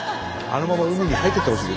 あのまま海に入ってってほしい。